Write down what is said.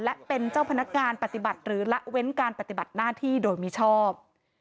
และเป็นเจ้าพนักงานปฏิบัติหรือละเว้นการปฏิบัติหน้าที่โดยมิชอบ